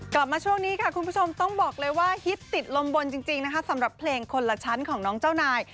กลับมาช่วงนี้ค่ะคุณผู้ชมต้องบอกเลยว่าฮิตติดลมบนจริงนะคะสำหรับเพลงคนละชั้นของน้องเจ้านาย